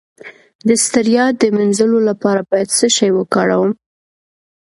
د ستړیا د مینځلو لپاره باید څه شی وکاروم؟